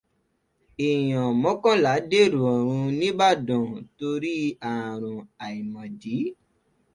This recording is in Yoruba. Èèyàn Mọ́kànlá dèrò ọ̀run n‘Ibadan torí àrùn àìmọ̀dí